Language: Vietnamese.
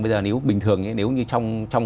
bây giờ nếu bình thường nếu như trong